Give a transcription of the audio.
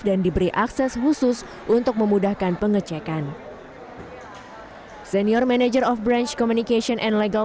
dan diberi akses khusus untuk memudahkan pengecekan senior manager of branch communication and legal